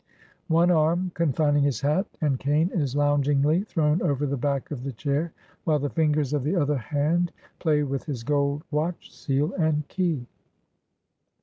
One arm confining his hat and cane is loungingly thrown over the back of the chair, while the fingers of the other hand play with his gold watch seal and key.